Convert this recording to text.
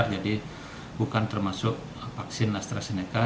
jadi bukan termasuk vaksin astrazeneca